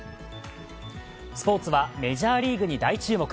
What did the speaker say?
スポーツはメジャーリーグに大注目。